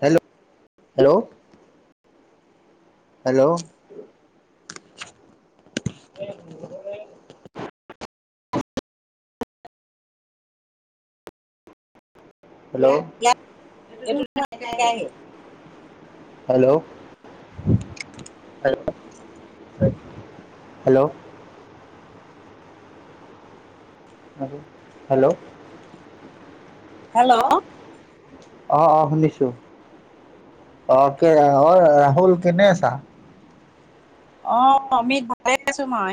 হেল্'-হেল্ল'। Hello. Hello এইটো ধ আহে। হেল্ল'। হেল্ল'। হয়। হেল্ল'। আৰু। হেল্ল'। হেল্ল'। অ অ শুনিছো অহ কে অ ৰাহুল কেনে আছা। অহ আমি ভালে আছো মই।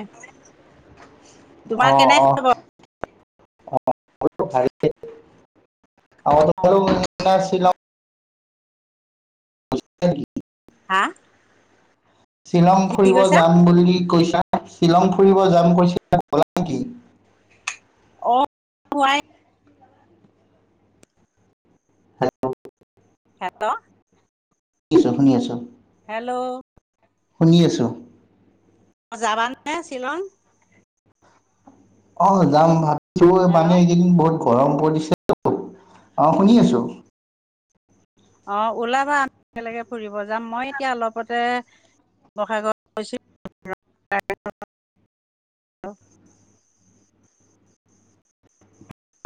তোমাৰ অহ কেনে অ। খবৰ অ ভালে শ্বিলং। [unintelligible] হা। শ্বিলং কি ফুৰিব কৈছা যাম বুলি কৈছা। শ্বিলং ফুৰিব জাম কৰিছিল ক'লা নেকি। অ হোৱাই। হেল্ল। হেল্ল'। শুনিছা শুনিয়ে আছো। হেল্ল'্ শুনি আছোঁ। অ যাবান নে শ্বিলং। অ যাম ভাত। হেল্ল' মানে একদিন বহুত। গৰম পৰিছে তো অ শুনি আছো। অঁ ওলাবা আমি একেলগে ফুৰিব যাম। মই এতিয়া অলপতে শিৱৰসাগৰ গৈছোঁ ৰংঘৰ কাৰেংঘৰ।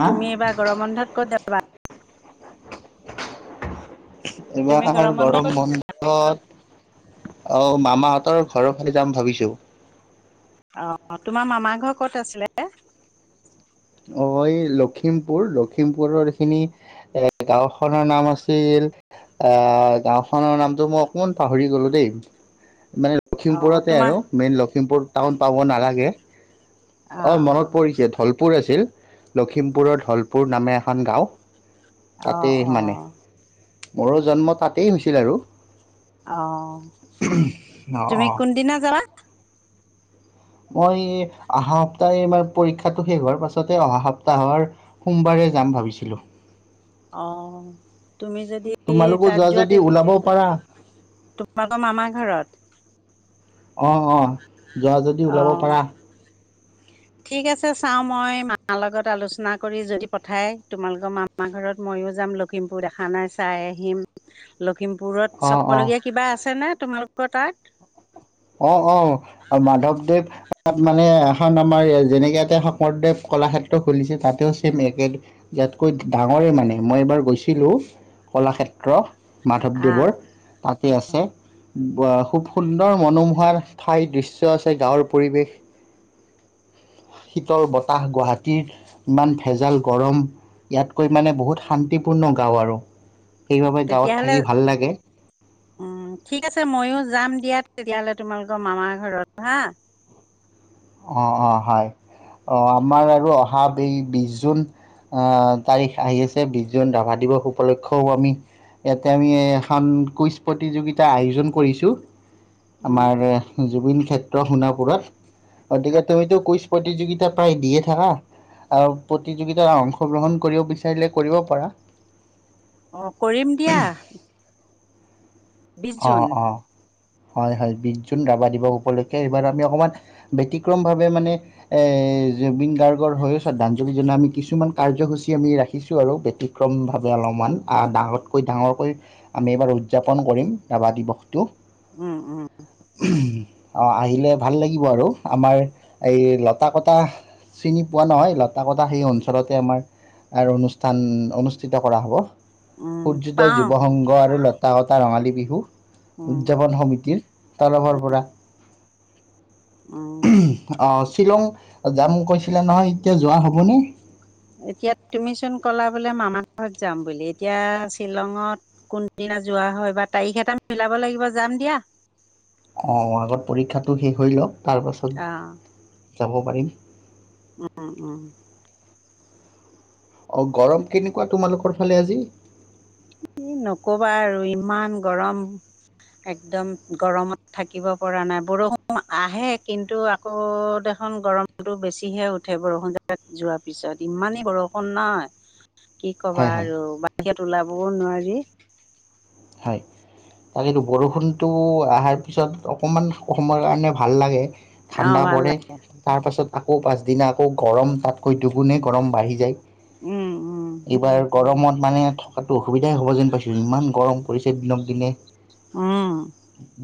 হা তুমি এইবাৰ গৰম বন্ধত ক'ত যাবা। তুমি এইবাৰ বন্ধত গৰম ক'ত বন্ধত অ মামাহত । তৰ ঘৰৰ ফালে যাম ভাবিছো। অ তোমাৰ মামাৰ ঘৰ ক'ত আছিলে। অ এই লখিমপুৰ লখিমপুৰৰ এইখিনি এ গাওখনৰ নাম আছিল ।আহ গাওখনৰ নামটো মই অকমান পাহৰি গলো দেই। মানে অ লখিমপুৰতে তোমাৰ আৰু মেইন লখিমপুৰ। টাউন পাব নালাগে। অ অ মনত পৰিছে ধল। আছিল লখিমপুৰৰঢলপুৰ। নামে এখন গাঁও অ তাতেই অ মানে মোৰো জন্ম তাতেই হৈছিল আৰু অ অ তুমি অ কোনদিনা যাবা মই অহা সপ্তাহ ম পৰীক্ষাটো শেষ হোৱাৰ পাছতে অহা সপ্তাহৰ সোমবাৰে যাম ভাবিছিলো অ তুমি যদি তোমালোকো তাত যোৱা যদি তে ওলাব পাৰা তোমোকৰ মামাৰ ঘৰত অ অঁ যোৱা যদি ওলাব অ', পাৰা ঠিক আছে চাও মই মাৰ লগত আলোচনা কৰি যদি পঠাই তোমালোকৰ মামা ঘৰত ময়ো যাম লখিমপুৰ দেখা নাই চাই আহিম লখিমপুৰত অ', চাবলগীয়া কিবা আছেনে তোমালোকৰ তাত অ অ মাধৱদেৱ মানে এখন আমাৰ যেনেকে এতে শংকৰদেৱ কলাক্ষেত্ৰ খুলিছে তাতেও চছেম একে ইয়াতকৈ ডাঙৰে মানে মই এইবাৰ গৈছিলো কলাক্ষেত্ৰ আহ মাধৱদেৱৰ তাতে আছে অ খুব সুন্দৰ মনোমোহাৰ ঠাই দৃশ্য আছে গাঁৱৰ পৰিৱেশ শীতল বতাহ গুৱাহাটীৰ ইমান ভেজাল গৰম ইয়াতকৈ মানে বহুত শান্তিপূৰ্ণ গাঁও আৰু সেইবাবে গাঁৱত থাকি ভাল লাগে উ ঠিক আছে ময়ো যাম দিয়া তেতিয়াহলে তোমালোকৰ মামাৰ ঘৰত হা অ অ হয় অ আমাৰ আৰু অহা এই বিশ জুন আহ তাৰিখ আহি আছে বিশ জুন ৰাভা দিৱস উপলক্ষেও আমি ইয়াতে আমি এখন কুইজ প্ৰতিযোগিতাৰ আয়োজন কৰিছো উম, আমাৰ জুবিন ক্ষেত্ৰ শোনা পুৰত অতিকে হয়তো কুইচ প্ৰতিযোগিতা প্ৰায় দিয়ে থাককা আৰু প্ৰতিযোগিতা অংশগ্ৰহণ কৰিব বিচাৰিলে কৰিব পাৰা অ কৰিম দিয়া বিশ অঁ জুন। অঁ হয় হয় বিশ জুন ৰাভা দিৱস উপলক্ষে এইবাৰ আমি অকণমান ব্তিক্ৰম ভাৱে মানে এ জুবিন গাৰ্গৰ হৈ শ্ৰদ্ধাঞ্জলি জননা আমি কিছুমান কাৰ্যসূচী আমি ৰাখিছো আৰু ব্তিক্ৰম ভাৱে অলপমান আহ ডাঙতকৈ ডাঙৰকৈ আমি এইবাৰ উদযাপন কৰিম ৰভাদিবস উম উম অ আহিলে ভাল লাগিব আৰু আমাৰ এই লতাাকটা চিনি পোৱা নহয় লতাকটা সেই অঞ্চলতে আমাৰ অনুষ্ঠান অনুষ্ঠিত কৰা হব উম, সূৰ্যোদয় পাওঁ জীৱ সংঘৰ আৰুত গাঁৱৰ ৰঙালী বিহু উম, উদযাপন সমিতিৰ তৰফৰ পৰা উম। অ শ্বিলং যাম কৈছিলে নহয় এতিয়া যোৱা হ'বনে এতিয়া তুমিচোন কলা বোলে মামা ঘৰত যাম বুলি এতিয়া শ্বিলঙত কোনদিনা যোৱা হয় বা তাৰিখ এটা মিলাব লাগিব যাম দিয়া। অ আগত পৰীক্ষাটো শেষ হৈ লওক। অঁ তাৰপাছত যাব পাৰিম। উম উ অ গৰম কেনেকুৱা তোমালোকৰ ফালে আজি নকবা আৰু ইমান গৰম একদম গৰমত থাকিব পৰা এই নাই বৰষুণ আহে কিন্তু আকৌ দেখোন গৰমতটো বেছিহে উঠে বৰষুণ জাক যোৱাৰ পিছত ইমানেই বৰষুণ নহয় কি কবা হয় হয় আৰু বাহিৰত ওলাব হ'ব নোৱাৰি হয় তাকেই বৰষুণটো অহাৰ পিছত অকণমান সময়ৰ কাৰণে ভাল লাগে। অঁ ঠাণ্ডা ভাল পৰে লাগে তাৰ পাছত আকৌ পাছদিনা আকৌ গৰম তাতকৈ দুগুণেই গৰম বাঢ়ি যায়। উম উম এইবাৰ গৰমত মানে থকাটো অসুবিধাই হ'ব যেন পাইছোঁ ইমান গৰম। পৰিছে দিনক দিনে। উম।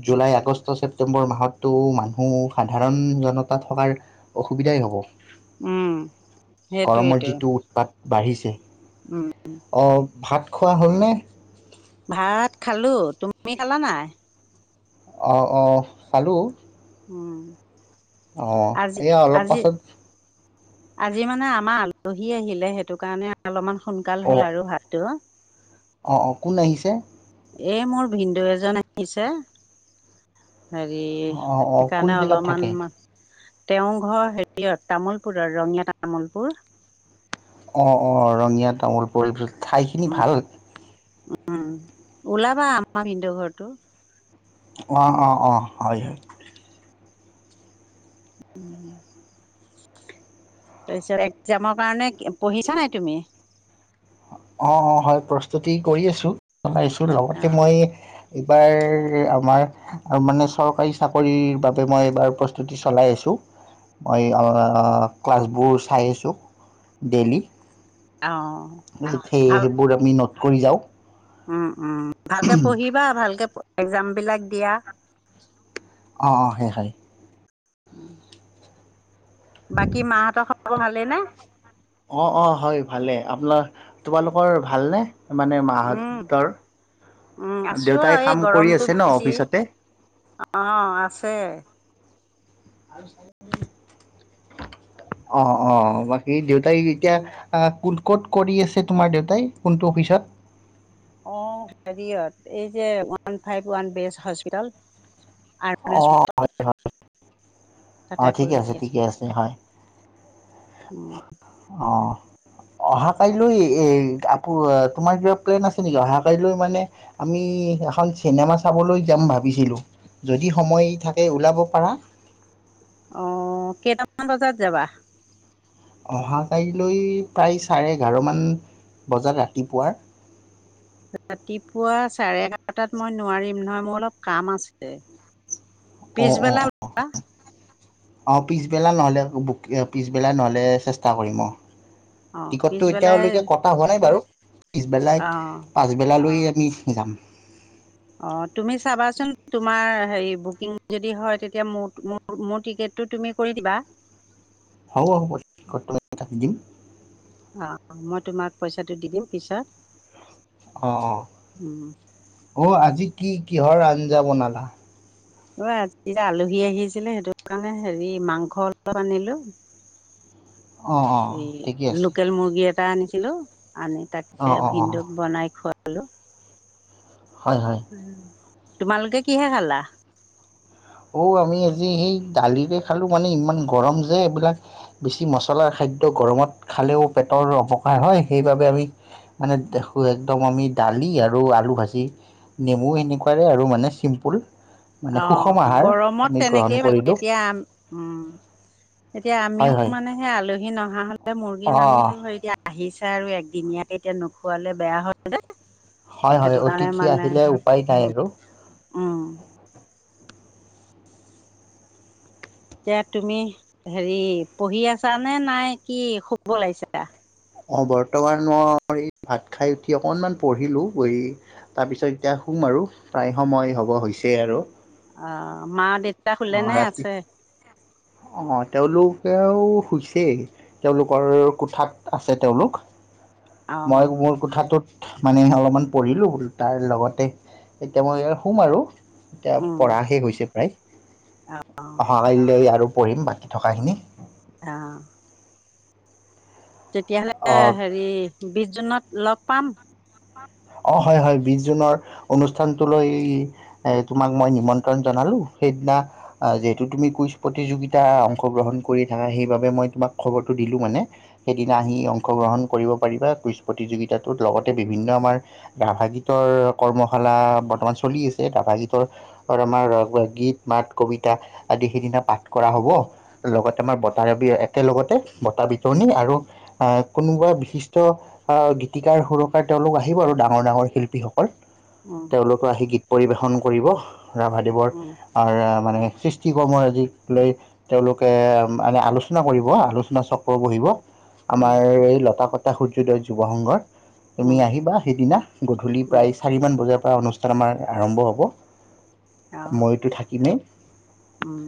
জুলাই আগষ্ট ছেপটেম্বৰ মাহতো মানুহ সাধাৰণ জনতা থকাৰ অসুবিধাই হ'ব। উম সেইটোৱে গৰমৰ টো যিটো উৎপাত বাঢ়িছে অ ভাত খোৱা হ'লনে? ভাত খালো তুমি খালা নাই? অ অ খালো। উম। অ আজি এয়া অলপ আজি পাছত। আজি মানে আমাৰ আলহী আহিলে সেইটো কাৰণে অলপমান। সোনকাল হ'ল অ' আৰু ভাতটো অ অ কোন আহিছে এই মোৰ ভিনন্দ এজন আহিছে। হেৰি অ' অ' কোন সেইকাৰণে জেগাত অলপমান থাকে? তেওঁ ঘৰ হেৰিয়ত তামোলপুৰৰ ৰঙীয়া তামোলপুৰ অ অ ৰঙীয়া তামোল পৰি ঠাইখিনি উম, ভাল উম ওলাবা আমাৰ ভিন্দেও ঘৰটো অঁ অঁ অঁ হয়। হয় উম। তাৰপিছত একজামৰ কাৰণে পঢ়িছা নাই তুমি অ অ হয় প্ৰস্তুতি কৰি আছো। জনাইছো লগতে অঁ মই এইবাৰ আমাৰ মানে চৰকাৰী চাকৰিৰ বাবে মই এইবাৰ প্ৰস্তুতি চলাই আছোঁ মই ক্লাছবোৰ চাই আছোঁ ডেইলি। অঁ সেই ভাল সেইবোৰ আমি নত কৰি যাওঁ উম উ ভালকে পঢ়িবা ভালকে একজাম বিলাক দিয়া অ অ হে হয় উম বাকী মাহঁতৰ খবৰ ভালেই নে অ অ হয় ভালে আপোনাৰ তোমালোকৰ ভালনে মানে উম মাহঁতৰ? উম আছোঁ দেউতাই আৰু এই কাম কৰি গৰমতটো আছে ন বেছি অফিচতে? অ আছে। আৰু অ অ বাকী দেউত তাই এতিয়া উম। আহ কোন ক'ত কৰি আছে তোমাৰ দেউতাই কোনটো অফিচত। অ হেৰিয়ত এই যে ওৱান ফাইভ ওৱান বেচ হস্পিতল। আৰু অ হস্পিটল [unintelligible] অ ঠিকে আছে ঠিকে আছে হয় উম, অ অহা কাইলৈ আপু তোমাৰ কিবা প্লেন আছে নেকি অহা কাইলৈ মানে আমি এখন চিনেমা চাবলৈ যাম ভাবিছিলোঁ যদি সময় থাকে ওলাব পাৰা অ কেইটামান বজাত যাবা অহাকাইলৈ প্ৰায় চাৰে এঘাৰমান বজাত ৰাতিপুৱাৰ ৰাতিপুৱা চাৰে এঘাৰটাত মই নোৱাৰিম নহয় মোৰ অলপ কাম আছে অ অ পিছবেলা অ ওলাবা অপ পিছবেলা নহ'লে বুক পিছবেলা নহ'লে চেষ্টা কৰিম অঁ অ', টিকটতটো পিছবেলাই এতিয়ালৈকে কটা হোৱা নাই বাৰু পিছবেলাই অ', পাছবেলা লৈ সজাম [unintelligible] অ তুমি চাবাচোন তোমাৰ হেৰি বুকিং যদি হয় তেতিয়া মোৰ টিকেটো তুমি কৰি দিবা হ'ব হ'ব কাটি দিম অঁ মই তোমাক পইচাটো দি দিম পিছত অ অ উম। অ আজি কি কিহৰ আঞ্জা বনালা অ আজি আলহী আহিছিলে সেইটো কাৰণে হেৰি মাংস অলপ আনিলো অঁ অঁ এই ঠিকে আছে লোকেল মুৰ্গী এটা এটা আনিছিলোঁ আনি অঁ তাকে অঁ অঁ ভিনদেউক বনাই খোৱালো হেল্ল' হয় হয় উম তোমালোকে কিহে খালা অ আমি আজি সেই দালিৰে খালোঁ মানে ইমান গৰম যে এইবিলাক বেছি মছলা খাদ্য গৰমত খালেও পেটৰ অপকাৰ হয় সেইবাবে আমি মানে দেখো একদম আমি দালি আৰু আলু ভাজি নেমু সেনেকোৱাৰে আৰু মানে চিম্পুল মানে অ সুষম আহাৰ গৰমত আমি গ্ৰহণ তেনেকেই ভাল কৰিলোঁ এতিয়া আম উম এতিয়া আমিও হয় হয় মানে সে আলহী নহা হলে মুৰ্গী অ নানিলো হয় এতিয়া আহিছে আৰু একদিনীয়াকে এতিয়া নোখোৱালে বেয়া হয় যে হয় হয় অতিথি আহিলে উপায় নাই উম, আৰু উম এতিয়া তুমি হেৰি পঢ়ি আছা নে নাই কি শুব লাগিছা অ বৰ্তমান মই এই ভাত খাই উঠি অকনমান পঢ়িলো পঢ়ি তাৰ পিছত এতিয়া শুম আৰু প্ৰায় সময় হব হৈছে আৰু অ মা দেউতা অ শুলেনে ৰাতি আছে অ তেওঁলোকেও শুইছেই তেওঁলোকৰ কোঠাত আছে তেওঁলোক মই অঁ মোৰ কোঠাটোত মানে অলপমান পঢ়িলো তাৰ লগতে এতিয়া মই শুম আৰু এতিয়া উম পঢ়া শেষ হৈছে প্ৰায় অঁ অহা কাইলৈ আৰু পঢ়িম বাকী থকাখিনি আহ তেতিয়াহলে অ' হেৰি বিশ জুনত লগ পাম অ হয় হয় বিশ জুনৰ অনুষ্ঠানটোলৈ এ তোমাক মই নিমন্ত্ৰণ জনালো সেইদিনা যিহেতু তুমি কুইজ প্ৰতিযোগিতা অংশগ্ৰহণ কৰি থাকা সেইবাবে মই তোমাক খবৰটো দিলো মানে সেইদিনা আহি অংশগ্ৰহণ কৰিব পাৰিবা কুইজ প্ৰতিযোগিতাটোত লগতে বিভিন্ন আমাৰ ৰাাভা গীতৰ কৰ্মশালা বৰ্তমান চলি আছে ৰাভা গীতৰ আমাৰ গীত মাত কবিতা আদি সেইদিনা পাঠ কৰা হব লগতে আমাৰ বতাৰ একেলগতে বতা বিতৰণি আৰু এ কোনোবা বিশিষ্ট আহ গীতিকাৰ সুৰকাৰ তেওঁলোক আহিব আহিব আৰু ডাঙৰ ডাঙৰ শিল্পীসকল তেওঁলোকো আহি গীত পৰিৱেশন কৰিব ৰাভাদেৱৰ মানে সৃষ্টি কৰ্মৰাজি লৈ তেওঁলোকে মানে আলোচনা কৰিব আলোচনা চক্ৰ বহিব। আমাৰ এই লতা কথা এ সূৰ্যদয় যুৱ সংঘৰ। তুমি অঁ আহিবা, সেইদিনা, গধূলি প্ৰায় চাৰিমান বজাৰ অনুষ্ঠান আমাৰ আৰম্ভ হ'ব। মইতো থাকিমেই। উম,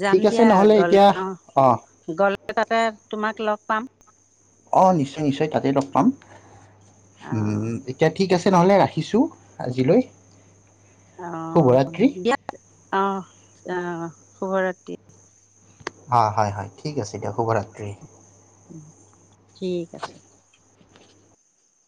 যাম ঠিক আছে দিয়া। নহ'লে গলে এতিয়া অ' অঁ গ তাতে তোমাক লগ পাম। অঁ, নিশ্চয়-নিশ্চয় তাতে লগ পাম। অঁ উম, এতিয়া ঠিক আছে। তেনেহ'লে ৰাখিছোঁ আজিলৈ, অ', শুভৰাত্ৰি দিয়া। অ-অ, শুভৰাতি। হয়-হয়-হয়, ঠিক আছে দিয়ক, শুভৰাত্ৰি। ঠিক আছে।